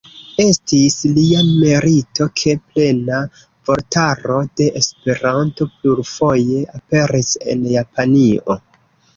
Estis lia merito ke Plena Vortaro de Esperanto plurfoje aperis en Japanio.